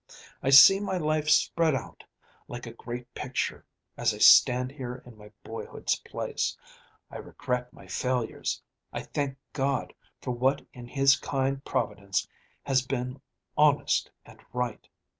I see my life spread out like a great picture, as I stand here in my boyhood's place. I regret my failures. I thank God for what in his kind providence has been honest and right.